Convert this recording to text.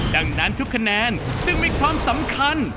ดังนั้นทุกคะแนนซึ่งมีความสำคัญ